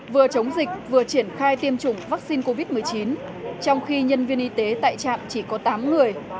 vừa chống dịch vừa triển khai tiêm chủng vaccine covid một mươi chín trong khi nhân viên y tế tại trạm chỉ có tám người